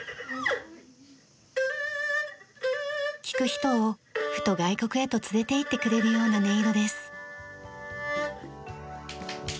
聴く人をふと外国へと連れていってくれるような音色です。